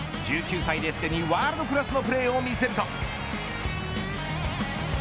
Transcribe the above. １９歳ですでにワールドクラスのプレーを見せると。